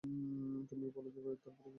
তুমিই বলো দেখি, তার পরে কী।